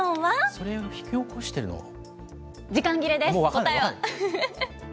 それを引き起こしているのは？